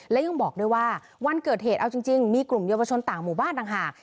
และยังบอกด้วยว่าวันเกิดเหตุเอาจริงมีกลุ่มเยาวชนต่างหมู่บ้านต่างหาก